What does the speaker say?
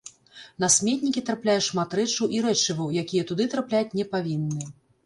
На сметнікі трапляе шмат рэчаў і рэчываў, якія туды трапляць не павінны.